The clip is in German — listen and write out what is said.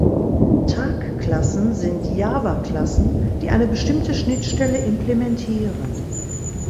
Tag-Klassen sind Java-Klassen, die eine bestimmte Schnittstelle implementieren.